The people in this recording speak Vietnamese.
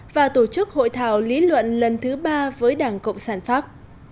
và tổ chức hội thảo lý luận lần thứ ba với đảng cộng sản pháp